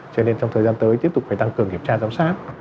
cho nên trong thời gian tới tiếp tục phải tăng cường kiểm tra giám sát